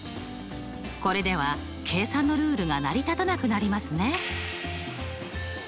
これでは計算のルールが成り立たなくなりますね。